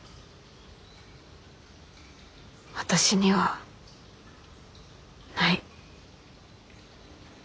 私にはない。